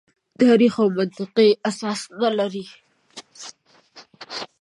تاریخي او منطقي اساس نه لري.